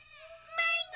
まいご！